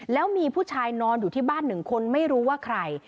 แล้วมีผู้ชายนอนอยู่ที่บ้านหนึ่งคนไม่รู้ว่าใคร